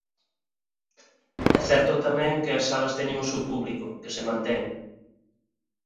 É certo tamén que as salas teñen o seu público, que se mantén.